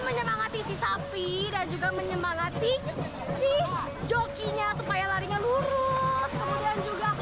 menyemangati si sapi dan juga menyemangati di jokinya supaya larinya lurus kemudian juga